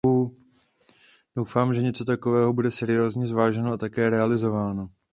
Doufám, že něco takového bude seriózně zváženo a také realizováno.